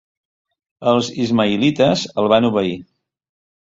Els ismaïlites el van obeir.